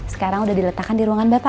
sekarang udah diletakkan di ruangan bapak